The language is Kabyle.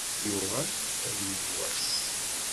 Ad yuɣal ad yeww wass.